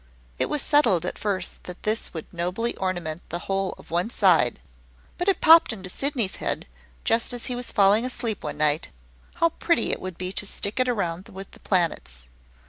It was settled at first that this would nobly ornament the whole of one side; but it popped into Sydney's head, just as he was falling asleep one night, how pretty it would be to stick it round with the planets.